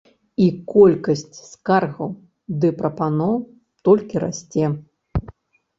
І колькасць скаргаў ды прапановаў толькі расце.